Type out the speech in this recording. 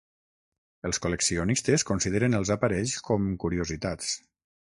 Els col·leccionistes consideren els aparells com curiositats.